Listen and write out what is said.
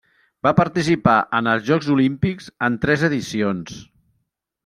Va participar en els Jocs Olímpics en tres edicions.